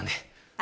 あ